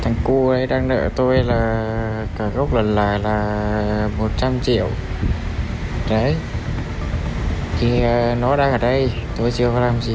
thằng cua đang nợ tôi là cả gốc lần lại là một trăm linh triệu đấy thì nó đang ở đây tôi chưa có làm gì